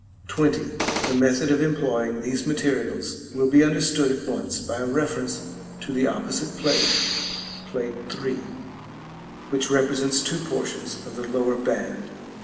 § XX. The method of employing these materials will be understood at once by a reference to the opposite plate (Plate III.), which represents two portions of the lower band.